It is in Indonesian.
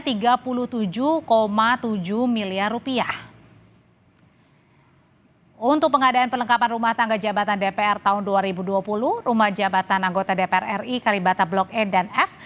dan ini juga untuk pengadaan perlengkapan rumah tangga jabatan dpr tahun dua ribu dua puluh rumah jabatan anggota dpr ri kalibata blok e dan f